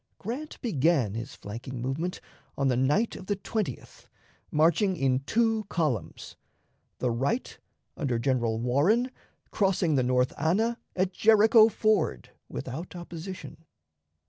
Grant began his flanking movement on the night of the 20th, marching in two columns, the right, under General Warren, crossing the North Anna at Jericho Ford without opposition.